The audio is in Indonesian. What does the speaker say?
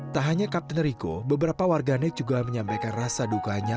tak hanya kapten rico beberapa warganet juga menyampaikan rasa dukanya